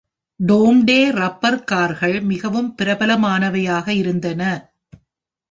டோம்டே rubber கார்கள் மிகவும் பிரபலமானவையாக இருந்தன.